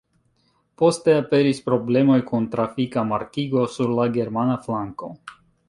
Poste aperis problemoj kun trafika markigo sur la germana flanko.